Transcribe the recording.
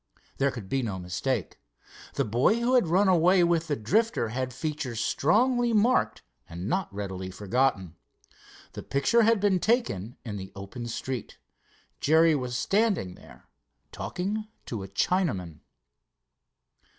There could be no mistake. The boy who had run away with the Drifter had features strongly marked and not readily forgotten. The picture had been taken in the open street. Jerry was standing there talking to a Chinaman.